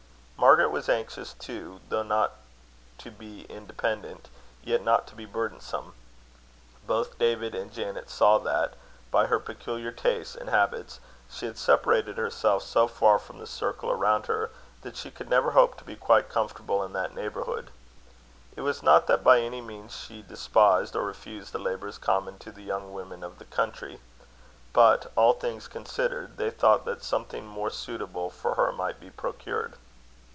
Margaret was anxious, too, though not to be independent, yet, not to be burdensome. Both David and Janet saw that, by her peculiar tastes and habits, she had separated herself so far from the circle around her, that she could never hope to be quite comfortable in that neighbourhood. It was not that by any means she despised or refused the labours common to the young women of the country; but, all things considered, they thought that something more suitable for her might be procured.